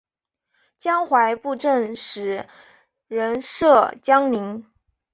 江淮布政使仍设江宁。